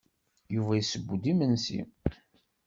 Yuba yesseww-d imensi.